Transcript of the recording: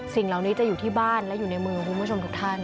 สิ่งเหล่านี้จะอยู่ที่บ้านและอยู่ในมือคุณผู้ชมทุกท่าน